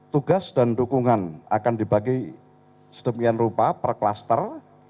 tugas dan dukungan akan dibagi sedemikian rupa per klaster